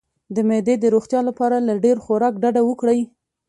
د معدې د روغتیا لپاره له ډیر خوراک ډډه وکړئ